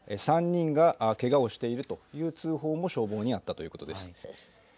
３人がけがをしているという通報も消防にあったということです。